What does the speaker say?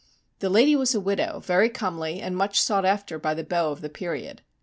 The lady was a widow, very comely and much sought after by the beaux of the period.